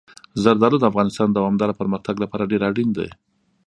زردالو د افغانستان د دوامداره پرمختګ لپاره ډېر اړین دي.